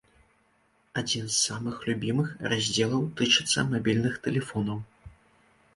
Адзін з самых любімых раздзелаў тычыцца мабільных тэлефонаў.